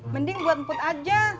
mending buat put aja